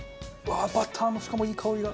バターのしかもいい香りが。